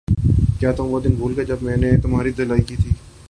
کیا تم وہ دن بھول گئے جب میں نے تمہاری دھلائی کی تھی